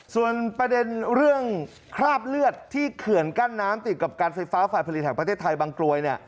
ส่วนประเด็นเรื่องคราบเลือดที่เขื่อนกั้นน้ำติดกับการไฟฟ้าฝ่ายผลิตแห่งประเทศไทยบางกรวย